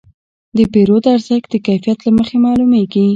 د پیرود ارزښت د کیفیت له مخې معلومېږي.